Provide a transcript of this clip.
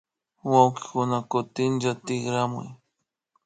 Wawkikuna kutinlla tikramun